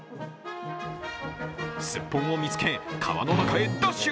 すっぽんを見つけ、川の中へダッシュ。